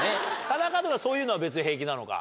田中とかそういうのは別に平気なのか？